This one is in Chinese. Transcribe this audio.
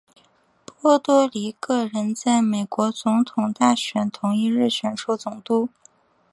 波多黎各人在美国总统大选同一日选出总督。